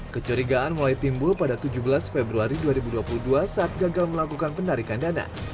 kecurigaan mulai timbul pada tujuh belas februari dua ribu dua puluh dua saat gagal melakukan penarikan dana